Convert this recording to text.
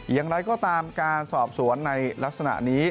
อย่างไรก็ตามการสอบสวนในลักษณะนี้